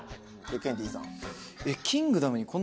ケンティーさん。